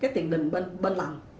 tiền đình bên lằn